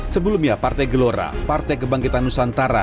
sebelumnya partai gelora partai kebangkitan nusantara